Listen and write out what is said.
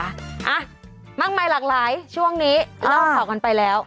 อะมั่งไมลักหลายช่วงนี้เล่าข่อกันไปแล้ว